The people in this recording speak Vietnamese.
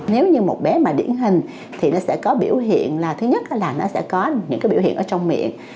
nếu như một bé mà điển hình thì nó sẽ có biểu hiện là thứ nhất là nó sẽ có những cái biểu hiện ở trong miệng